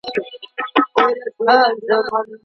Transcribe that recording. قلمي خط د ذهن د ښایسته کولو هنر دی.